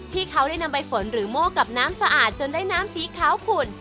ที่เขาได้นำไปฝนหรือโม่กับน้ำสะอาดจนได้น้ำสีขาวขุ่น